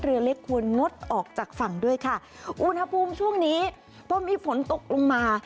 เรือเล็กควรงดออกจากฝั่งด้วยค่ะอุณหภูมิช่วงนี้พอมีฝนตกลงมา